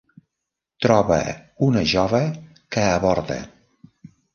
Troba una jove que aborda.